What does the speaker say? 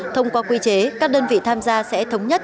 thông qua quy chế các đơn vị tham gia sẽ thống nhất